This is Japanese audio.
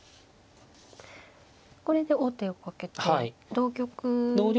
これで王手をかけて同玉。